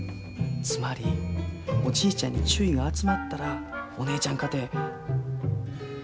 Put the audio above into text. つまりおじいちゃんに注意が集まったらお姉ちゃんかて。